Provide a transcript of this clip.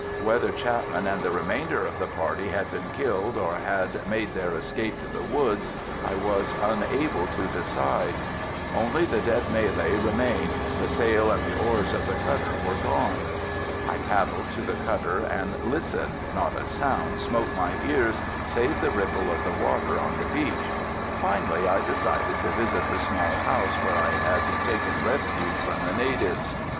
Whether Chapman and the remainder of the party had been killed or had made their escape to the woods I was unable to decide. Only the dead Malay remained, the sail and the oars of the cutter were gone. I paddled to the cutter and listened, not a sound smote my ears save the ripple of the water on the beach. Finally I decided to visit the small house where I had taken refuge from the natives.